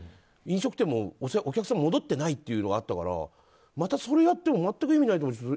飲食店もお客さん戻ってないのあったからまたそれをやっても全く意味ないと思う。